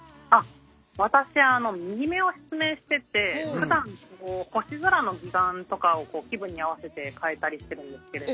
私右目を失明しててふだん星空の義眼とかを気分に合わせて変えたりしてるんですけれど。